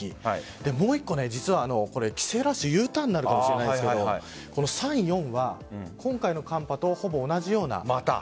もう１個、実は帰省ラッシュＵターンになるかもしれませんが３、４は今回の寒波とほぼ同じような。